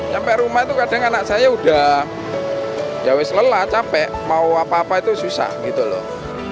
sampai rumah itu kadang anak saya udah jauh lelah capek mau apa apa itu susah gitu loh